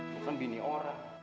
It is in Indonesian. gua kan bini orang